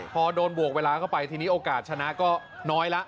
พอโดนบวกเวลาเข้าไปทีนี้โอกาสชนะก็น้อยละ